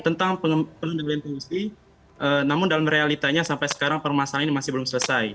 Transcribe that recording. tentang pengendalian fungsi namun dalam realitanya sampai sekarang permasalahan ini masih belum selesai